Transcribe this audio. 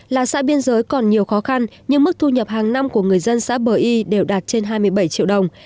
là xã biên giới còn nhiều khó khăn nhưng mức thu nhập hàng năm của người dân xã bờ y đều đạt trên hai mươi bảy triệu đồng